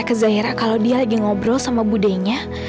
dia cerita ke zahira kalau dia lagi ngobrol sama budinya